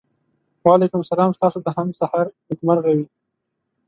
وعلیکم سلام ستاسو د هم سهار نېکمرغه وي.